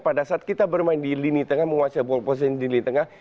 pada saat kita bermain di lini tengah menguasai ball posisi di lini tengah